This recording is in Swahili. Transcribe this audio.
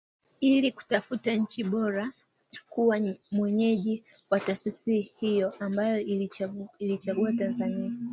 Ili kutafuta nchi iliyo bora kuwa mwenyeji wa taasisi hiyo, ambayo iliichagua Tanzania